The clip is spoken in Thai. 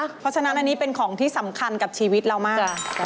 เพราะฉะนั้นอันนี้เป็นของที่สำคัญกับชีวิตเรามาก